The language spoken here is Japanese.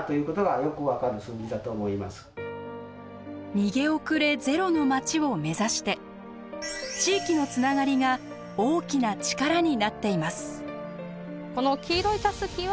逃げ遅れゼロの町を目指して地域のつながりが大きな力になっています。